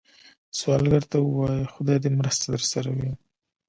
سوالګر ته ووايئ “خدای دې مرسته درسره وي”